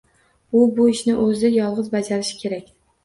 U bu ishni oʻzi yolgʻiz bajarishi kerak